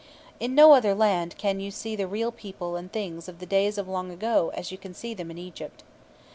In no other land can you see the real people and things of the days of long ago as you can see them in Egypt.